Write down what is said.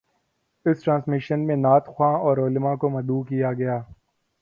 اس transmission میں نعت خواں اور علمأ کو مدعو کیا گیا